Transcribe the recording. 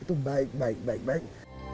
itu baik baik baik baik